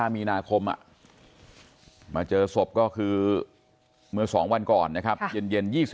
มีนาคมมาเจอศพก็คือเมื่อ๒วันก่อนนะครับเย็น